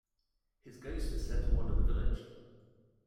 His ghost is said to wander the village.